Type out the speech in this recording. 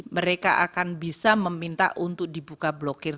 mereka akan bisa meminta untuk dibuka blokir